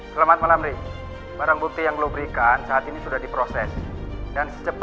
semua ngharang itu muster